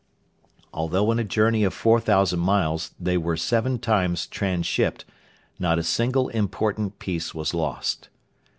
Although in a journey of 4,000 miles they were seven times transhipped, not a single important piece was lost.